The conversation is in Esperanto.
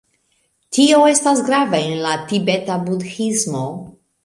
Tio estas grava en la Tibeta Budhismo.